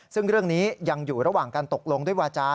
ซึ่งเรื่องนี้ยังอยู่ระหว่างการตกลงด้วยวาจา